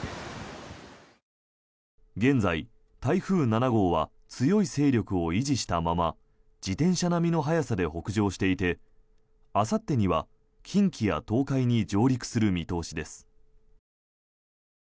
現在、台風７号は強い勢力を維持したまま自転車並みの速さで北上していてあさってには近畿や東海に上陸する見通しです。